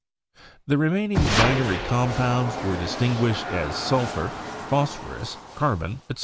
The remaining binary compounds were distinguished as sulphur, phosphorus, carbon, etc.